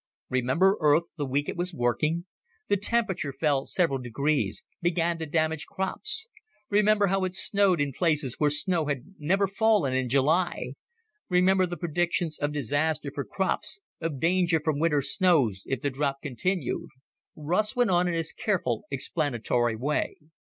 "Remember Earth the week it was working? The temperature fell several degrees, began to damage crops? Remember how it snowed in places where snow had never fallen in July? Remember the predictions of disaster for crops, of danger from winter snows if the drop continued?" Russ went on in his careful, explanatory way.